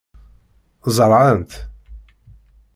Zerɛent.